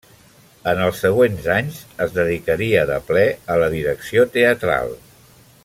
En els següents anys, es dedicaria de ple a la direcció teatral.